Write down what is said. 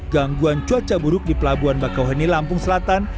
gangguan cuaca buruk di pelabuhan bakauheni lampung selatan